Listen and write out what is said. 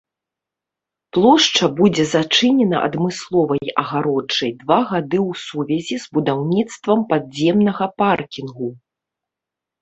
Плошча будзе зачынена адмысловай агароджай два гады ў сувязі з будаўніцтвам падземнага паркінгу.